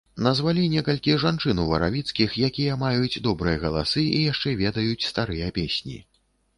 Назвалі некалькі жанчын уваравіцкіх, якія маюць добрыя галасы і яшчэ ведаюць старыя песні.